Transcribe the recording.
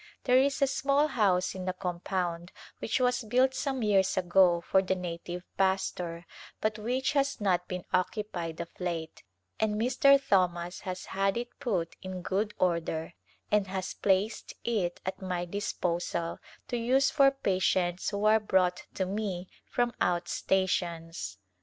There is a small house in the compound which was built some years ago for the native pastor but which has not been occupied of late, and Mr. Thomas has had it put in good order and has placed it at my dis posal to use for patients who are brought to me from out stations.